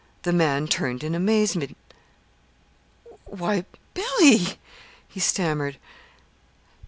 The man turned in amazement. "Why Billy!" he stammered.